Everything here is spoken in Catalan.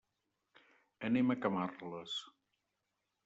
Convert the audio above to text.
Anem a Camarles.